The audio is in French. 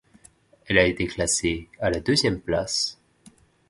Elle a été classée à la deuxième place.